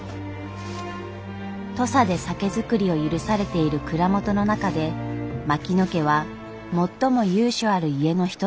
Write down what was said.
土佐で酒造りを許されている蔵元の中で槙野家は最も由緒ある家の一つでした。